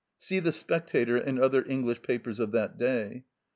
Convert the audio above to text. (See the Spectator and other English papers of that day.)